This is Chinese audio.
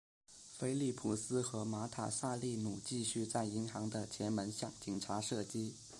菲利普斯和马塔萨利努继续在银行的前门向警察射击。